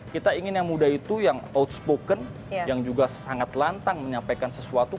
kita ingin yang muda itu yang outspoken yang juga sangat lantang menyampaikan sesuatu